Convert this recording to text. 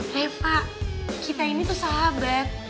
hefa kita ini tuh sahabat